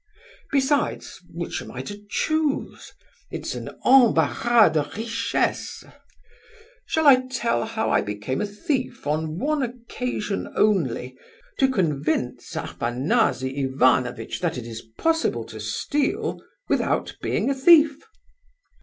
Besides, which am I to choose? It's an embarras de richesse. Shall I tell how I became a thief on one occasion only, to convince Afanasy Ivanovitch that it is possible to steal without being a thief?"